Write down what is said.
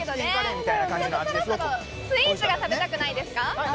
スイーツが食べたくないですか？